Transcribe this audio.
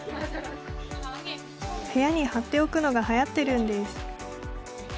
部屋に貼っておくのがはやってるんです。